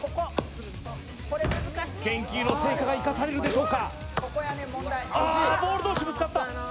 研究の成果が生かされるでしょうか。